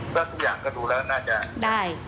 ก็ทุกอย่างก็ดูแล้วน่าจะได้